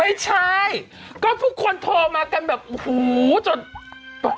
ไม่ใช่ก็ปุ๊คคนโทรมากันแบบหูจน